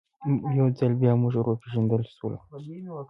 یو ځل بیا موږ ور وپېژندل سولو.